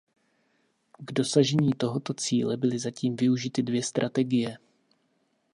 K dosažení tohoto cíle byly zatím využity dvě strategie.